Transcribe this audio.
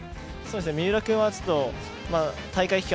三浦君は大会期間